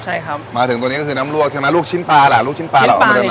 ใช่ครับมาถึงตัวนี้ก็คือน้ำลวกใช่ไหมลูกชิ้นปลาล่ะลูกชิ้นปลาเราเอามาจากไหน